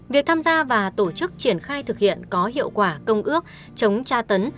việc tham gia và tổ chức triển khai thực hiện có hiệu quả công ước chống tra tấn